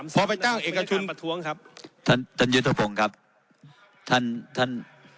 พอไปตั้งเอกชุนครับท่านท่านยุทธภงครับท่านท่าน